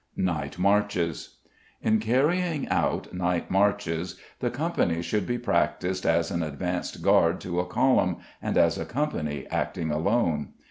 Night Marches. In carrying out night marches, the company should be practised as an advanced guard to a column, and as a company acting alone.